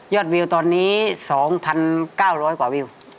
วิวตอนนี้๒๙๐๐กว่าวิว